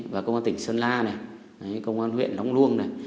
và công an tỉnh sơn la này công an huyện lóng luông này